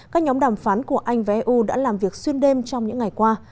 các nhóm đàm phán của anh và eu đã làm việc xuyên đêm trong những ngày qua